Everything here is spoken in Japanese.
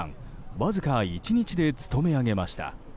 わずか１日で務め上げました。